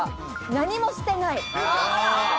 何もしてない。